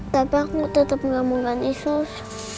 tapi aku tetep nggak mau ganti sus